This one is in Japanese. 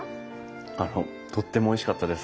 あのとってもおいしかったです。